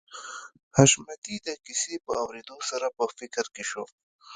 حشمتي د کيسې په اورېدو سره په فکر کې شو